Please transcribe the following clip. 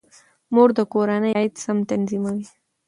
مور د کورنۍ عاید سم تنظیموي.